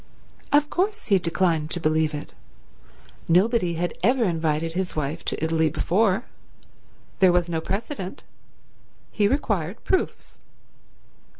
Of course he declined to believe it. Nobody had ever invited his wife to Italy before. There was no precedent. He required proofs.